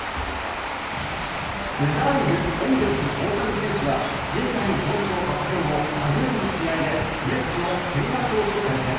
メジャーリーグエンゼルスの大谷選手はじん帯の損傷発表後初めての試合でメッツの千賀投手と対戦。